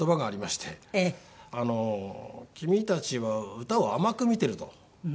あの「君たちは歌を甘く見てる」と。